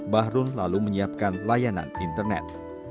bahru lalu menyiapkan layanan internet